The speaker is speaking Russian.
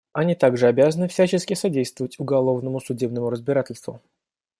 Они также обязаны всячески содействовать уголовному судебному разбирательству.